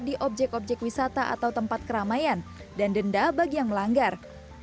di objek objek wisata atau tempat keramaian dan denda bagi yang melanggar